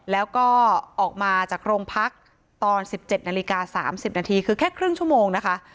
แล้วก็ออกมาจากโรงพักตอน๑๗นาฬิกา๓๐นาทีคือแค่ครึ่งชั่วโมงนะคะ